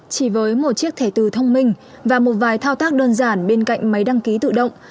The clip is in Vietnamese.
chỉ với một chiếc thẻ từ thông minh và một vài thao tác đơn giản bên cạnh máy đăng ký tự động